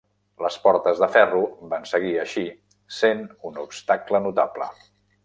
Les Portes de Ferro van seguir, així, sent un obstacle notable.